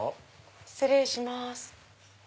失礼します。